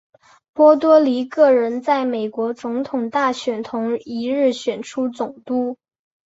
波多黎各人在美国总统大选同一日选出总督。